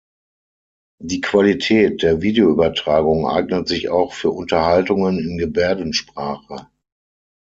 Die Qualität der Videoübertragung eignet sich auch für Unterhaltungen in Gebärdensprache.